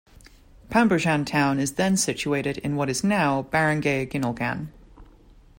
Pambujan town is then situated in what is now Barangay Ginulgan.